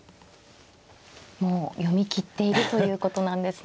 もう読み切っているということなんですね。